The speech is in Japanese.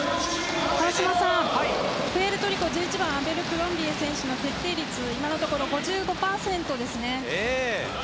プエルトリコ、１１番アベルクロンビエ選手の決定率、今のところ５５％ですね。